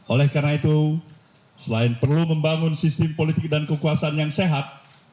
oleh karena itu selain perlu membangun sistem politik dan kekuasaan yang sehat